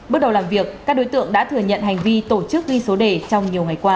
bước đầu làm việc các đối tượng đã thừa nhận hành vi tổ chức ghi số đề trong nhiều ngày qua